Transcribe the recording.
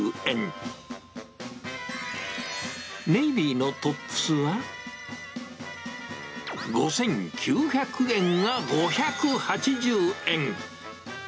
ネイビーのトップスは、５９００円が５８０円。